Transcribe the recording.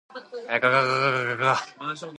ががががががが。